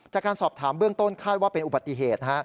จากการสอบถามเบื้องต้นคาดว่าเป็นอุบัติเหตุ